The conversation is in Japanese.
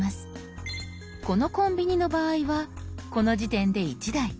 このコンビニの場合はこの時点で１台。